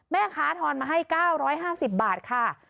แม่ค้าทอนมาให้๙๕๐บาทค่ะ